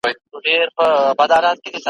که د ي مېنه کنډ و ا له ده هم تیر یږ ي